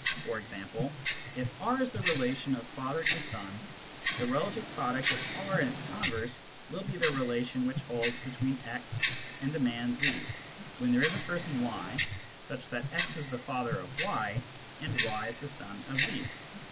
Thus, for example, if R is the relation of father to son, the relative product of R and its converse will be the relation which holds between x and a man 2 when there is a person y, such that x is the father of y and y is the son of z.